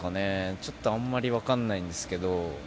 ちょっとあまり分からないんですけど。